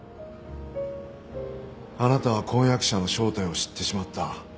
あなたは婚約者の正体を知ってしまった。